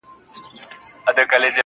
زړه لکه مات لاس د کلو راهيسې غاړه کي وړم